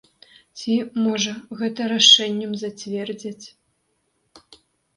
Ці, можа, гэта рашэннем зацвердзяць.